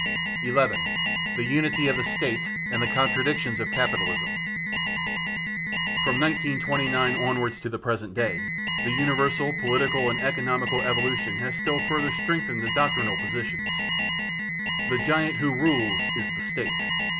11. The Unity of the State and the Contradictions of Capitalism. From 1929 onwards to the present day, the universal, political and economical evolution has still further strengthened the doctrinal positions. The giant who rules is the State.